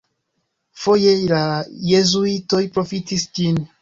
Foje la jezuitoj profitis ĝin.